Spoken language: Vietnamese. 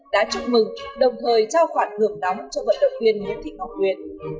đã chúc mừng đồng thời trao khoản hưởng đóng cho vận động viên nguyễn thị ngọc huyền